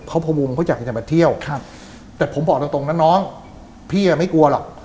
เขาพวงเขาอยากที่จะมาเที่ยวครับแต่ผมบอกตรงตรงนะน้องพี่ไม่กลัวหรอก